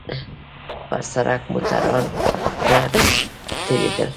پر سړک موټران نه تېرېدل.